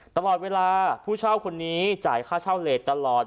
ตลอดเวลาผู้เช่าคนนี้จ่ายค่าเช่าเลสตลอด